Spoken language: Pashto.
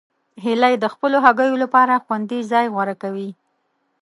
هیلۍ د خپلو هګیو لپاره خوندي ځای غوره کوي